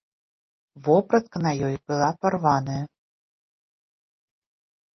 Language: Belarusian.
Вопратка на ёй была парваная.